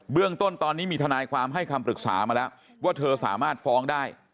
เรื่องต้นตอนนี้มีทนายความให้คำปรึกษามาแล้วว่าเธอสามารถฟ้องได้